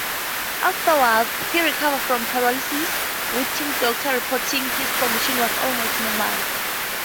Afterward, he recovered from paralysis, with team doctors reporting his condition was almost normal.